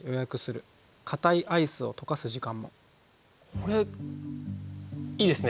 これいいですね！